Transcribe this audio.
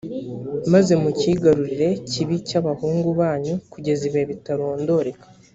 maze mucyigarurire kibe icy abahungu banyu kugeza ibihe bitarondoreka